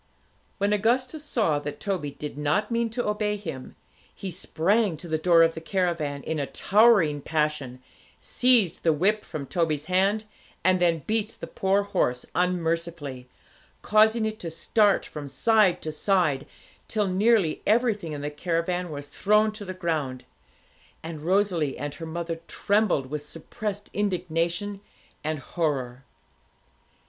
When Augustus saw that Toby did not mean to obey him, he sprang to the door of the caravan in a towering passion, seized the whip from Toby's hand, and then beat the poor horse unmercifully, causing it to start from side to side, till nearly everything in the caravan was thrown to the ground, and Rosalie and her mother trembled with suppressed indignation and horror.